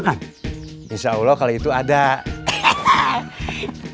kalau misalnya gak ada makan makan